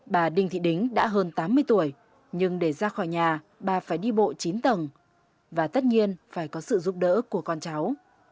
bà đinh thị đính đã hơn tám mươi tuổi nhưng để ra khỏi nhà bà phải đi bộ chín tầng và tất nhiên phải có sự giúp đỡ của con cháu